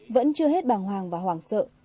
vẫn chưa hết bàng hoàng và hoảng sợ